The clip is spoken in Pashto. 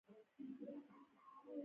د پکتیا په ځاځي اریوب کې څه شی شته؟